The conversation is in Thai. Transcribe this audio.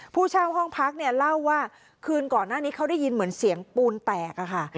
ผู้เช่าห้องพักเนี่ยเล่าว่าคืนก่อนหน้านี้เขาได้ยินเหมือนเสียงปูนแตกอะค่ะ